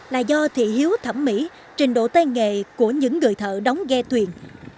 là do thị hiếu thẩm mỹ trình độ tay nghề của những người thợ đóng ghe thuyền